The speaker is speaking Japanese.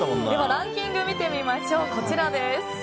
ランキングを見てみましょう。